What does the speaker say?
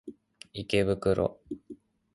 池袋